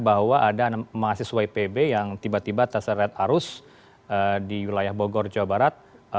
bahwa ada mahasiswa ipb yang tiba tiba terseret arus di wilayah bogor jawa barat